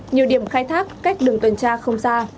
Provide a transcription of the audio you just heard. nhiều điểm khai thác cách đường tuần tra không xa